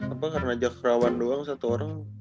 apa karena jakrawan doang satu orang